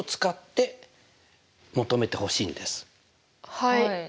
はい。